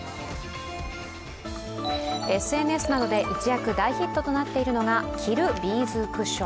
ＳＮＳなどで一躍大ヒットとなっているのが着るビーズクッション。